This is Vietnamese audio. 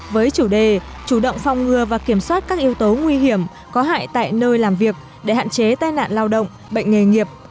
với chủ đề chủ động phòng ngừa và kiểm soát các yếu tố nguy hiểm có hại tại nơi làm việc để hạn chế tai nạn lao động bệnh nghề nghiệp